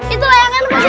itu layangan lepas